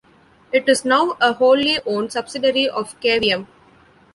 It is now a wholly owned subsidiary of Cavium.